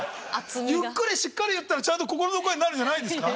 ゆっくりしっかり言ったら心の声になるんじゃないですか。